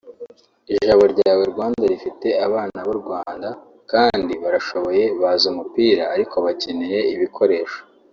Ijabo ryawe Rwanda rifite abana b’u Rwanda kandi barashoboye bazi umupira ariko bakeneye ibikoresho